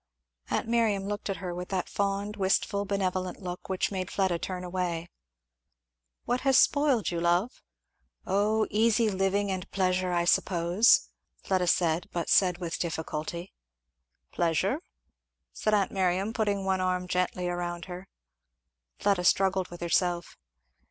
Aunt Miriam looked at her with that fond, wistful, benevolent look which made Fleda turn away. "What has spoiled you, love?" "Oh! easy living and pleasure, I suppose " Fleda said, but said with difficulty. "Pleasure?" said aunt Miriam, putting one arm gently round her. Fleda struggled with herself.